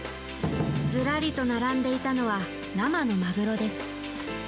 ずらりと並んでいたのは生のマグロです。